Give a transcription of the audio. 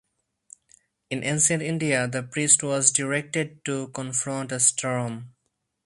In ancient India, the priest was directed to confront a storm.